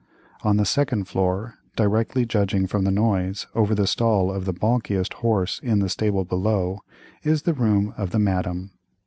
On the second floor, directly, judging from the noise, over the stall of the balkiest horse in the stable below, is the room of the Madame.